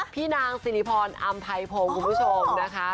พี่นางสิริพรอำไพพงศ์คุณผู้ชมนะคะ